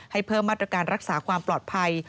เพิ่มมาตรการรักษาความปลอดภัย